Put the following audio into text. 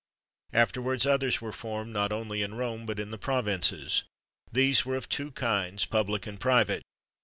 [XXIII 10] Afterwards, others were formed, not only in Rome, but in the provinces. These were of two kinds, public and private.